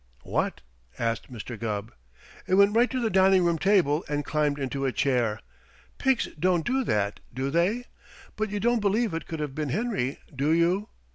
"What?" asked Mr. Gubb. "It went right to the dining room table and climbed into a chair. Pigs don't do that, do they? But you don't believe it could have been Henry, do you?